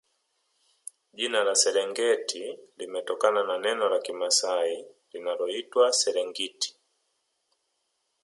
Jina la Serengeti limetokana na neno la kimasai linaloitwa Serengiti